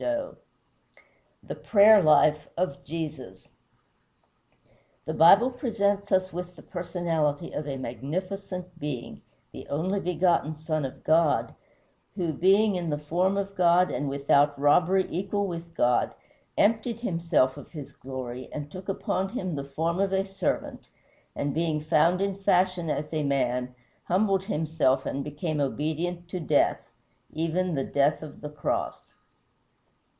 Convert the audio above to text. VIII THE PRAYER LIFE OF JESUS The Bible presents us with the personality of a magnificent Being the only begotten Son of God who, being in the form of God and without robbery equal with God, emptied himself of his glory and took upon him the form of a servant; and, being found in fashion as a man, humbled himself and became obedient to death even the death of the cross.